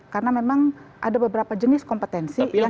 karena memang ada beberapa jenis kompetensi yang kita nggak punya